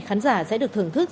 khán giả sẽ được thưởng thức